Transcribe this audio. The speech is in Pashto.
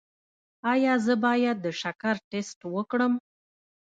ایا زه باید د شکر ټسټ وکړم؟